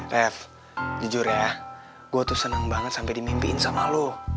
ref jujur ya gue tuh seneng banget sampai dimimpiin sama lo